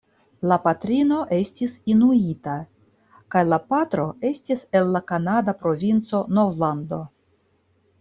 La patrino estis inuita kaj la patro estis el la kanada provinco Novlando.